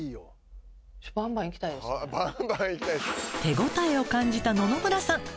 手応えを感じた野々村さん。